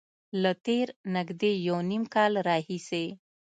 له تېر نږدې یو نیم کال راهیسې